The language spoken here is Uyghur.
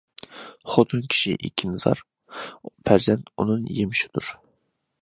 خوتۇن كىشى ئېكىنزار، پەرزەنت ئۇنىڭ يېمىشىدۇر.